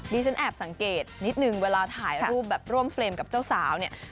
ฉันแอบสังเกตนิดนึงเวลาถ่ายรูปแบบร่วมเฟรมกับเจ้าสาวเนี่ย